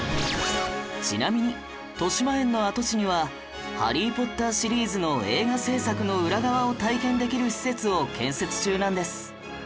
ちなみにとしまえんの跡地には『ハリー・ポッター』シリーズの映画製作の裏側を体験できる施設を建設中なんです